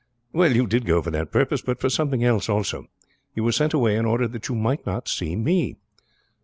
"Well, you did go for that purpose, but for something else also. You were sent away in order that you might not see me."